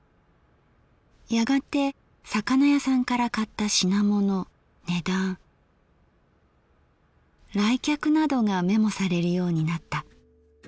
やがて魚屋さんから買った品物値段来客などがメモされるようになった。